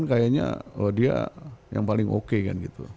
kayaknya dia yang paling oke kan gitu